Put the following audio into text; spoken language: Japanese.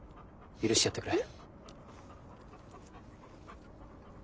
許してやってくれ。